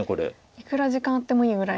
いくら時間あってもいいぐらいの。